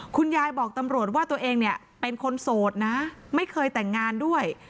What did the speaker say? คุณยายบอกตำรวจว่าตัวเองเนี่ยเป็นคนโสดนะไม่เคยแต่งงานด้วย